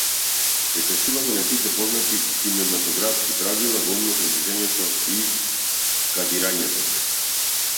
Прекршување на сите познати кинематографски правила во однос на движењето и кадрирањето.